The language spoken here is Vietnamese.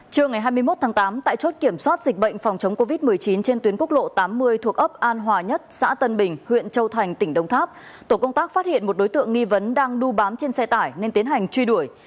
trưa ngày hai mươi một tháng tám tại chốt kiểm soát dịch bệnh phòng chống covid một mươi chín trên tuyến quốc lộ tám mươi thuộc ấp an hòa nhất xã tân bình huyện châu thành tỉnh đông tháp tổ công tác phát hiện một đối tượng nghi vấn đang đu bám trên xe tải nên tiến hành truy đuổi